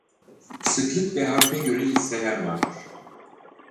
Sıklık ve harfe göre listeler vardır.